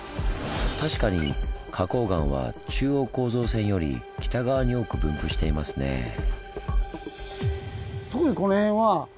確かに花こう岩は中央構造線より北側に多く分布していますねぇ。